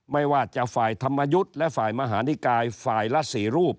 ไม่ว่าจะฝ่ายธรรมยุทธ์และฝ่ายมหานิกายฝ่ายละ๔รูป